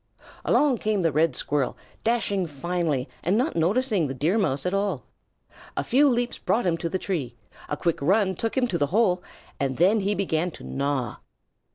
Along came the Red Squirrel, dashing finely and not noticing the Deer Mouse at all. A few leaps brought him to the tree, a quick run took him to the hole, and then he began to gnaw.